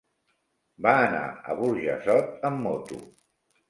Va anar a Burjassot amb moto.